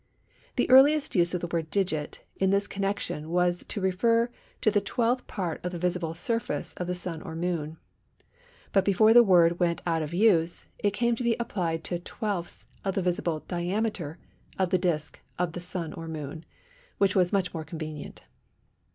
The earliest use of the word "Digit" in this connection was to refer to the twelfth part of the visible surface of the Sun or Moon; but before the word went out of use, it came to be applied to twelfths of the visible diameter of the disc of the Sun or Moon, which was much more convenient.